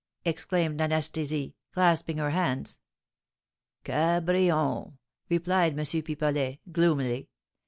exclaimed Anastasie, clasping her hands. "Cabrion!" replied M. Pipelet, gloomily.